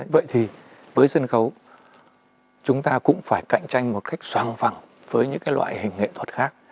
vậy thì với sân khấu chúng ta cũng phải cạnh tranh một cách soàng vẳng với những loại hình nghệ thuật khác